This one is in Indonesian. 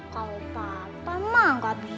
kalo patah mah gak bisa